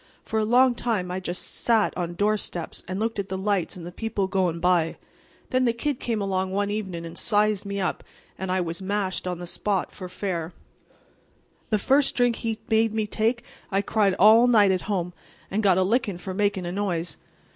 For a long time I just sat on doorsteps and looked at the lights and the people goin' by. And then the Kid came along one evenin' and sized me up, and I was mashed on the spot for fair. The first drink he made me take I cried all night at home, and got a lickin' for makin' a noise.